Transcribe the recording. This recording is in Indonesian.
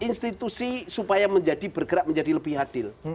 institusi supaya menjadi bergerak menjadi lebih adil